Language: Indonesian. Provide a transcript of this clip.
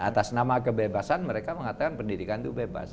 atas nama kebebasan mereka mengatakan pendidikan itu bebas